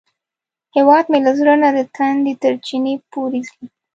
هیواد مې له زړه نه د تندي تر چینې پورې ځي